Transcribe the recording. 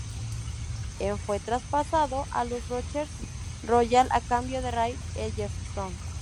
En fue traspasado a los Rochester Royals a cambio de Ray Ellefson.